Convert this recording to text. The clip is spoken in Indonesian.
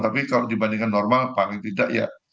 tapi kalau dibandingkan normal paling tidak ya